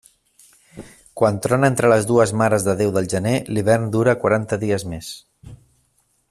Quan trona entre les dues Mares de Déu del gener, l'hivern dura quaranta dies més.